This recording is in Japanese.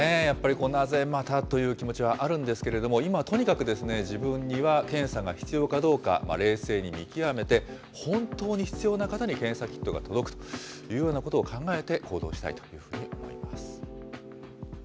やはりここでなぜまたという気持ちはあるんですけれども、今、とにかく自分には検査が必要かどうか、冷静に見極めて、本当に必要な方に検査キットが届くというようなことを考えて行動したいというふうに思います。